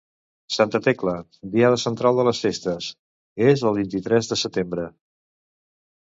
Santa Tecla, diada central de les festes, és el vint-i-tres de setembre.